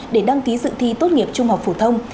để đăng ký dự thi tốt nghiệp trung học phổ thông